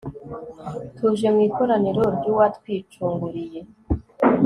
tuje mu ikoraniro ry'uwatwicunguriye